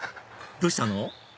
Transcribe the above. どうしたの？